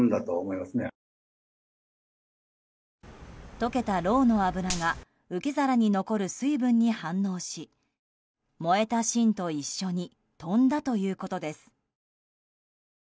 溶けたろうの油が受け皿に残る水分に反応し燃えた芯と一緒に飛んだということです。